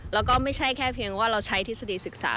แล้วก็ไม่ใช่แค่เพียงว่าเราใช้ทฤษฎีศึกษา